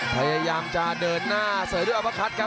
พยายามจะเดินหน้าเสรียด้วยอลมพะครัตกับ